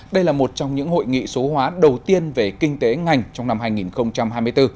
đây là một trong những hội nghị số hóa đầu tiên về kinh tế ngành trong năm hai nghìn hai mươi bốn